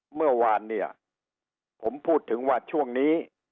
เมื่อวานเนี่ยผมพูดถึงว่าช่วงนี้